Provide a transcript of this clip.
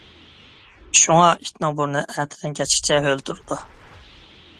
شۇڭا، ئىتنىڭ بۇرنى ئەتىدىن-كەچكىچە ھۆل تۇرىدۇ.